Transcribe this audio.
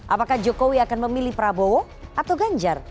apakah jokowi akan memilih prabowo atau ganjar